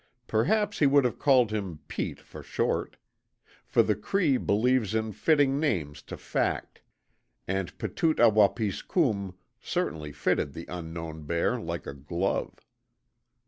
Perhaps he would have called him "Pete" for short. For the Cree believes in fitting names to fact, and Petoot a wapis kum certainly fitted the unknown bear like a glove.)